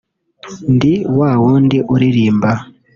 ndi wa wundi uririmba